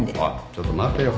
ちょっと待てよ。